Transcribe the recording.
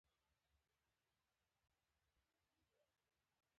په علي چې د تاوان خبره راشي، لکۍ په کونه ومنډي، مجلس پرېږدي.